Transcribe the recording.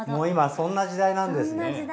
そんな時代なんですね。